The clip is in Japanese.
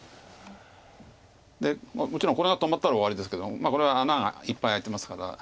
でもちろんこれが止まったら終わりですけどこれは穴がいっぱい開いてますから。